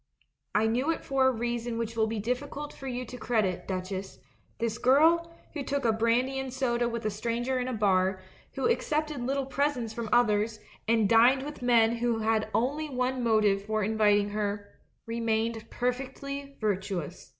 I knew it for a reason which will be diffi cult for you to credit, Duchess; this girl, who took a brandy and soda with a stranger in a bar, who accepted little presents from others, and dined with men who had only one motive for in viting her, remained perfectly virtuous.